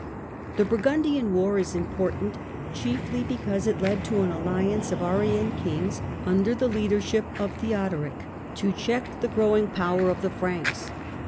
The Burgundian war is important chiefly because it led to an alliance of Arian kings, under the leadership of Theodoric, to check the growing power of the Franks.